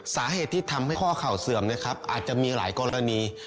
สาเหตุที่ทำให้ข้อเข่าเสื่อมนะครับอาจจะมีหลายกรณี